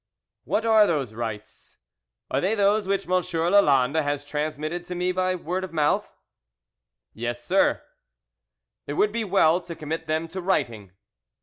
"What are those rights? Are they those which M. Lalande has transmitted to me by word of mouth?" "Yes, sir." "It would be well to commit them to writing."